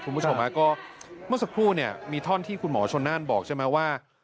คุณผู้ชมฮะก็เมื่อสักครู่เนี่ยมีท่อนที่คุณหมอชนน่านบอกใช่ไหมว่า